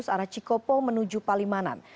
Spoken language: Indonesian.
arah cikopo menuju palimanan